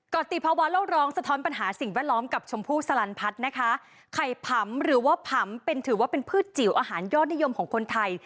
ติภาวะโลกร้องสะท้อนปัญหาสิ่งแวดล้อมกับชมพู่สลันพัฒน์นะคะไข่ผำหรือว่าผำเป็นถือว่าเป็นพืชจิ๋วอาหารยอดนิยมของคนไทย